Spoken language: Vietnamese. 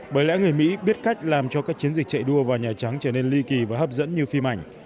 bởi lẽ người mỹ biết cách làm cho các chiến dịch chạy đua vào nhà trắng trở nên ly kỳ và hấp dẫn như phim ảnh